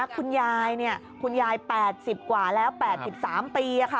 คุณยายเนี้ยคุณยายแปดสิบกว่าแล้วแปดสิบสามปีอ่ะค่ะ